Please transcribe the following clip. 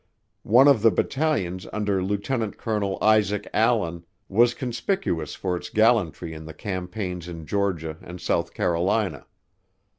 One of the battalions under Lieut. Col. Isaac Allen, was conspicuous for its gallantry in the campaigns in Georgia and South Carolina.